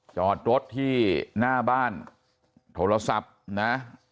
จอดรถที่หน้าบ้านโทรศัพท์นะ